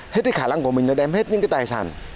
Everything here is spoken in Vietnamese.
hết cái khả năng của mình là đem hết những cái tài sản